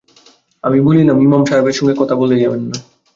আমি বললাম, ইমাম সাহেবের সঙ্গে কথা বলে যাবেন না?